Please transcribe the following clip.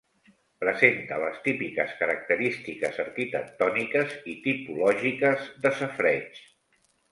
Presenta les típiques característiques arquitectòniques i tipològiques de safareig.